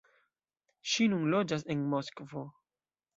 Ŝi nun loĝas en Moskvo.